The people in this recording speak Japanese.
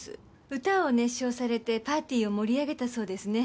歌を熱唱されてパーティーを盛り上げたそうですね。